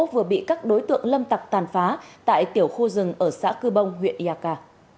vừa bị các đối tượng lâm tặc tàn phá tại tiểu khu rừng ở xã cư bông huyện iaka